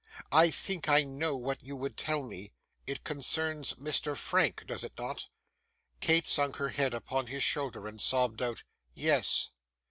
I think I know what you would tell me. It concerns Mr. Frank, does it not?' Kate sunk her head upon his shoulder, and sobbed out 'Yes.